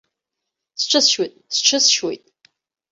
Сҽысшьуеит, сҽысшьуеит.